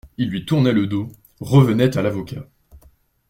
Ils lui tournaient le dos, revenaient à l'avocat.